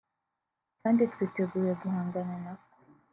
kandi twiteguye guhangana na ko